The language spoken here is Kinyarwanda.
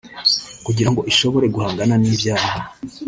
kugira ngo ishobore guhangana n’ ibyaha